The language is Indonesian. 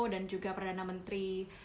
dan juga perdana menteri